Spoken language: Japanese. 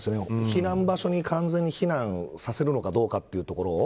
避難場所に完全に避難させるのかどうかというところ。